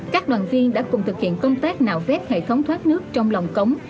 các đoàn viên đã cùng thực hiện công tác nạo vét hệ thống thoát nước trong lòng cống